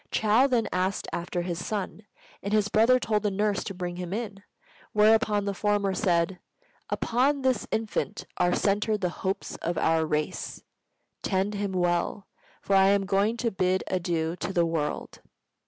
Chou then asked after his son, and his brother told the nurse to bring him in; whereupon the former said, "Upon this infant are centered the hopes of our race. Tend him well; for I am going to bid adieu to the world."